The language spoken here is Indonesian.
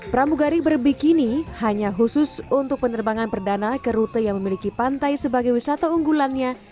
pramugari berbikini hanya khusus untuk penerbangan perdana ke rute yang memiliki pantai sebagai wisata unggulannya